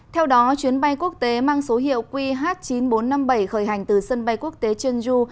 theo đó chuyến bay quốc tế mang số hiệu qh chín nghìn bốn trăm năm mươi bảy khởi hành từ sân bay quốc tế jeonju